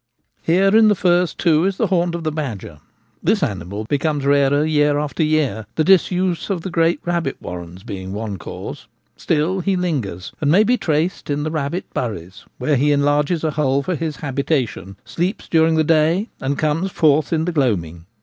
Here in the furze too is the haunt of the badger. This animal becomes rarer year after year— the disuse of the great rabbit warrens being one cause ; still he lingers, and may be traced in the rabbit 'buries/ where he enlarges a hole for his habitation, sleeps during the day, and comes forth in the gloaming.